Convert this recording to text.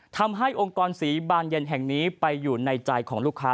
ทำให้องค์กรสีบานเย็นแห่งนี้ไปอยู่ในใจของลูกค้า